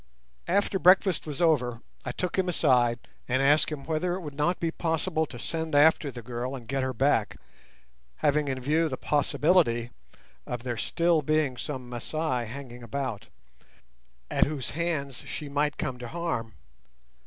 After breakfast was over I took him aside and asked him whether it would not be possible to send after the girl and get her back, having in view the possibility of there still being some Masai hanging about, at whose hands she might come to harm.